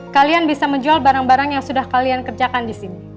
kalian bisa menjual barang barang yang sudah kalian kerjakan di sini